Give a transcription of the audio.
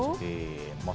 ubinya kita masukin